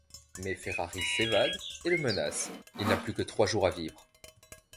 Mais Ferrari s'évade et le menace, il n'a plus que trois jours à vivre.